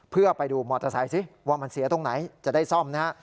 เพื่อไปดูมอเตอร์ไซค์สิว่ามันเสียตรงไหนจะได้ซ่อมนะฮะ